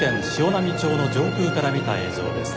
波町の上空から見た映像です。